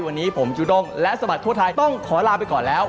วันนี้ผมจูด้งและสมัครทั่วไทยต้องขอลาไปก่อนแล้ว